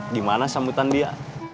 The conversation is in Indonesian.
dimana sambutan dia